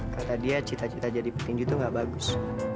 kata dia cita cita jadi petinju itu gak bagus